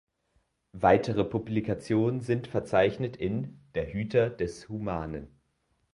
Weitere Publikationen sind verzeichnet in: "Der Hüter des Humanen.